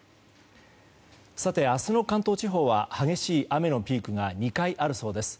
明日の関東地方は激しい雨のピークが２回あるそうです。